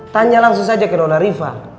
tanya langsung aja ke nona riva